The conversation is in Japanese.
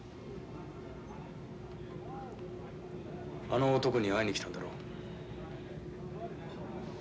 あの男に会いに来たんだろ？